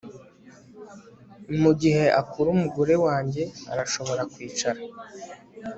mugihe akora umugore wanjye arashobora kwicara